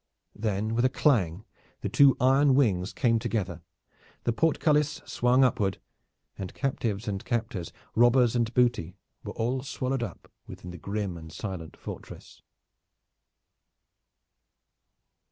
Then with a clang the two iron wings came together, the portcullis swung upward, and captives and captors, robbers and booty, were all swallowed up within the grim and silent fortress.